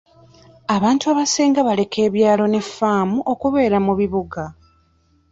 Abantu abasinga baleka ebyalo ne ffaamu okubeera mu bibuga.